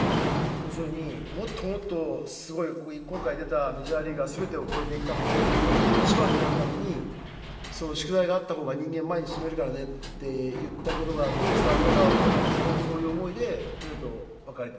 要するに、もっともっとすごい、今回出たメジャーリーガーすべてを越えていくために、一番になるために、その宿題があったほうが、人間、前に進めるからねって言ったことがどう伝わったか分からないんですけど、そういう思いで宗と別れた。